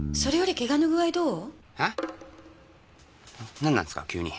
何なんですか急に？